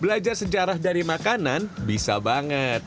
belajar sejarah dari makanan bisa banget